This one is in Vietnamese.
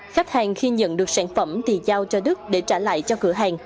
khách hàng khi nhận được sản phẩm thì giao cho đức để trả lại cho cửa hàng